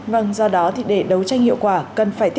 vâng do đó thì để đấu tranh hiệu quả